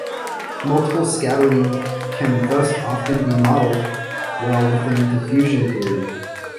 Multiple scattering can thus often be modeled well with diffusion theory.